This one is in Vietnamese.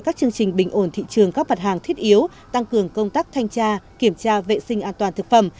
các chương trình bình ổn thị trường các mặt hàng thiết yếu tăng cường công tác thanh tra kiểm tra vệ sinh an toàn thực phẩm